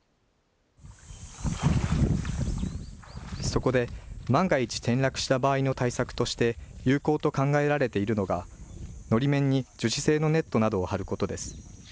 そこで、万が一転落した場合の対策として有効と考えられているのがのり面に樹脂製のネットなどを張ることです。